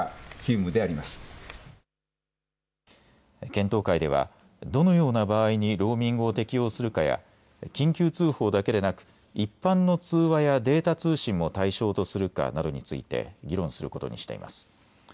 検討会ではどのような場合にローミングを適用するかや緊急通報だけでなく一般の通話やデータ通信も対象とするかなどについて議論することにしています。